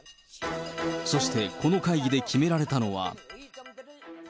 そしてこの会議で決められたのは。